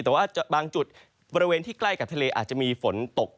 แต่ว่าบางจุดบริเวณที่ใกล้กับทะเลอาจจะมีฝนตก